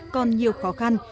còn nhiều khó khăn